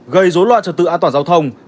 gây rối loạn trật tự an toàn giao thông